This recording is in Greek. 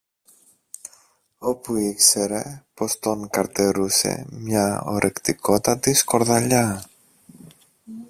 όπου ήξερε πως τον καρτερούσε μια ορεκτικότατη σκορδαλιά.